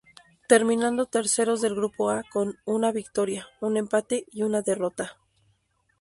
Terminando terceros del grupo A con: una victoria, un empate y una derrota.